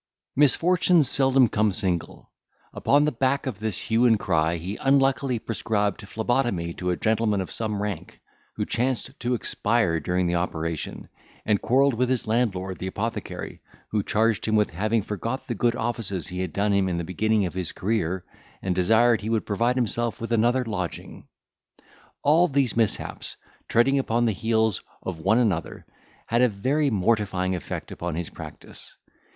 Misfortunes seldom come single; upon the back of this hue and cry he unluckily prescribed phlebotomy to a gentleman of some rank, who chanced to expire during the operation, and quarrelled with his landlord the apothecary, who charged him with having forgot the good offices he had done him in the beginning of his career, and desired he would provide himself with another lodging. All these mishaps, treading upon the heels of one another, had a very mortifying effect upon his practice.